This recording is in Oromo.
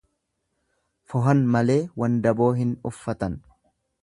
Fohan malee wandaboo hin uffatan.